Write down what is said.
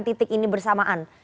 titik ini bersamaan